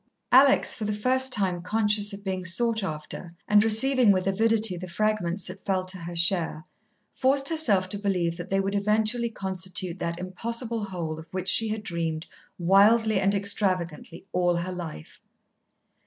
Alex, for the first time conscious of being sought after, and receiving with avidity the fragments that fell to her share, forced herself to believe that they would eventually constitute that impossible whole of which she had dreamed wildly and extravagantly all her life.